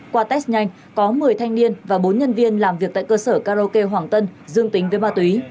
qua test nhanh có một mươi thanh niên và bốn nhân viên làm việc tại cơ sở karaoke hoàng tân dương tính với ma túy